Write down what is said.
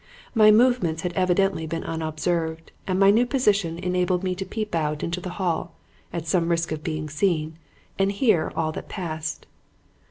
My movements had evidently been unobserved and my new position enabled me to peep out into the hall at some risk of being seen and to hear all that passed.